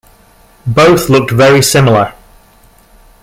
Both looked very similar.